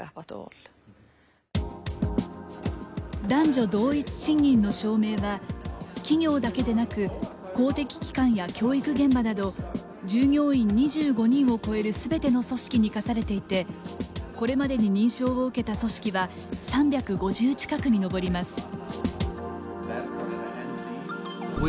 男女同一賃金の証明は企業だけでなく公的機関や教育現揚など従業員２５人を超える全ての組織に課されていてこれまでに認証を受けた組織は３５０近くにのぼります。